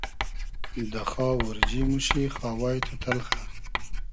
دۂ خاو اۉرجی موشی خاوای تو تئلخۂ